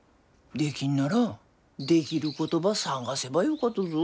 できんならできることば探せばよかとぞ。